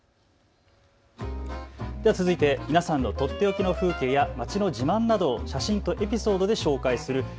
続いて皆さんのとっておきの風景や街の自慢など写真とエピソードで紹介する＃